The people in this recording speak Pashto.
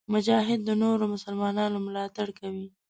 مجاهد د نورو مسلمانانو ملاتړ کوي.